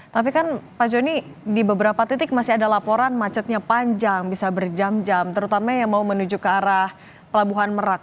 tapi kan pak joni di beberapa titik masih ada laporan macetnya panjang bisa berjam jam terutama yang mau menuju ke arah pelabuhan merak